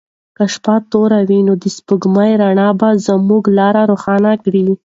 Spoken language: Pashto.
که شپه توره وي نو د سپوږمۍ رڼا به زموږ لاره روښانه کړي.